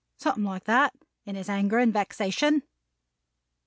Something like that, in his anger and vexation."